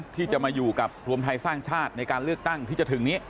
ที่จะมาอยู่กับรวมไทยสร้างชาติในการเลือกตั้งที่จะถึงนี้